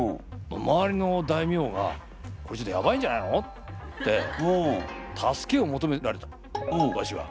周りの大名が「これちょっとやばいんじゃないの？」って助けを求められたわしは。